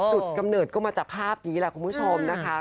กำเนิดก็มาจากภาพนี้แหละคุณผู้ชมนะคะ